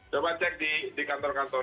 coba cek di kantor kantor